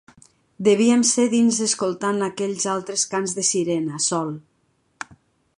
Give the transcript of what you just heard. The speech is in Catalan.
Devíem ser dins escoltant aquells altres cants de sirena, Sol.